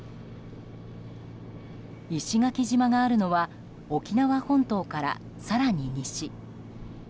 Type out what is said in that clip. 石垣島があるのは沖縄本島から更に西。